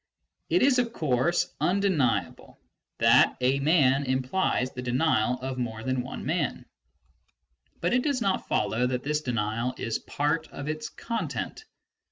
It is of course undeniable that " a man " implies the denial of more than one man ; but it does not follow that this denial is part of its content.